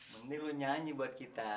mending lo nyanyi buat kita